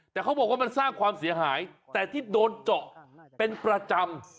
แต่เขาบอกว่ามันสร้างความเสียหายแต่ที่โดนเจาะเป็นประจำ